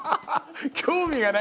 興味がないんだ！